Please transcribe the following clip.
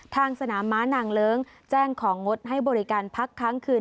ทางสนามม้านางเลิ้งแจ้งของงดให้บริการพักค้างคืน